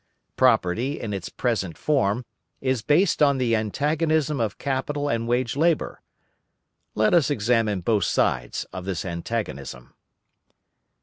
Property, in its present form, is based on the antagonism of capital and wage labour. Let us examine both sides of this antagonism.